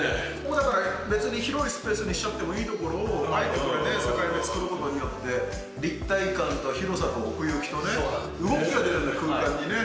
だから別に広いスペースにしちゃってもいいところを、あえて境目を作ることによって、立体感と広さと奥行きとね、動きが出るんだね、空間にね。